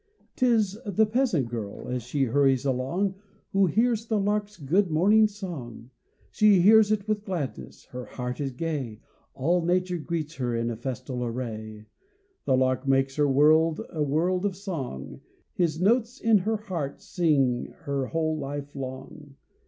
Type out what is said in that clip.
'Tis the peasant girl, as she hurries along, Who hears the lark's good morning song. She hears it with gladness; her heart is gay; All nature greets her in festal array. The lark makes her world a world of song His notes in her heart sing her whole life long.